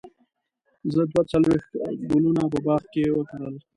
زه دوه څلوېښت ګلونه په باغ کې وکرل.